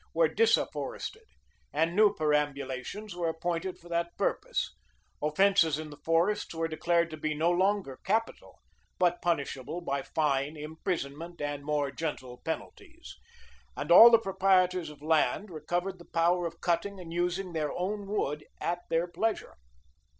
were disafforested, and new perambulations were appointed for that purpose; offences in the forests were declared to be no longer capital, but punishable by fine, imprisonment, and more gentle penalties; and all the proprietors of land recovered the power of cutting and using their own wood at their pleasure.